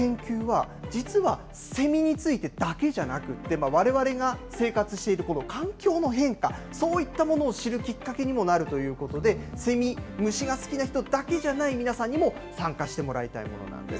それでこの研究は実は、セミについてだけじゃなくて、われわれが生活しているこの環境の変化、そういったものを知るきっかけにもなるということで、セミ、虫が好きな人だけじゃない皆さんにも参加してもらいたいものなんです。